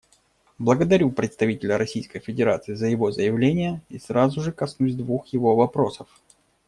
Благодарю представителя Российской Федерации за его заявление и сразу же коснусь двух его вопросов.